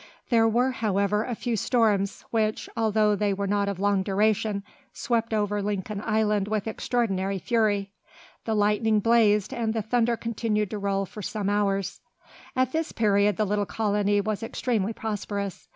There were, however, a few storms, which, although they were not of long duration, swept over Lincoln Island with extraordinary fury. The lightning blazed and the thunder continued to roll for some hours. At this period the little colony was extremely prosperous.